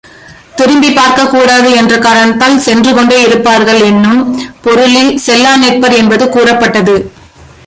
திரும்பிப் பார்க்கக் கூடாது என்ற காரணத்தால் சென்று கொண்டே இருப்பார்கள் என்னும் பொருளில் செல்லாநிற்பர் என்பது கூறப்பட்டது.